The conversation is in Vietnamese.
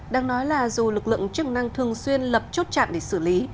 đang nói là dù lực lượng chức năng thường xuyên lập chốt chạm để xử lý